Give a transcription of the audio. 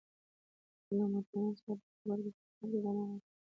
له موټروان سره په خبرو کې سفر ته ادامه ورکړه.